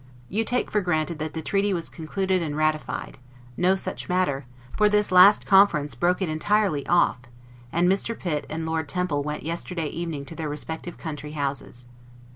You take for granted, that the treaty was concluded and ratified; no such matter, for this last conference broke it entirely off; and Mr. Pitt and Lord Temple went yesterday evening to their respective country houses.